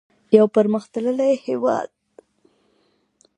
یو پرمختللی هیواد.